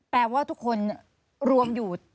แปลว่าทุกคนรวมอยู่